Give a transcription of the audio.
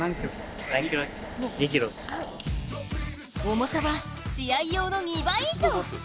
重さは試合用の２倍以上。